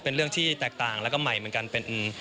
เป็นเรื่องที่แตกต่างและใหม่เหมือนกัน